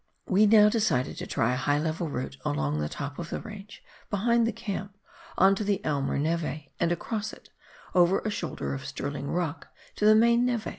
We now decided to try a high level route along the top of the range behind the camp on to the Aimer neve, and across it, over a shoulder of Stirling Rock, to the main nete.